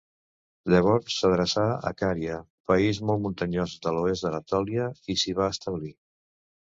Llavors s'adreçà a Cària, país molt muntanyós de l'oest d'Anatòlia, i s'hi va establir.